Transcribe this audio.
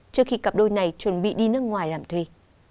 trước khi cặp đôi này chuẩn bị đi nước ngoài làm thuê